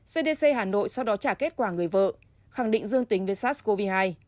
cdc hà nội sau đó trả kết quả người vợ khẳng định dương tính với sars cov hai